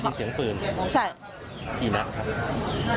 บ๊วยพี่เหมือนพี่หนักครับ